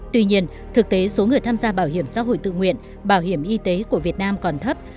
tuy nhiên thực tế số người tham gia bảo hiểm xã hội tự nguyện bảo hiểm y tế của việt nam còn thấp